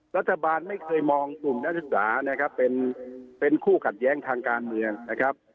รัฐบาลไม่เคยมองกลุ่มนักศึกษานะครับเป็นคู่ขัดแย้งทางการเมืองนะครับ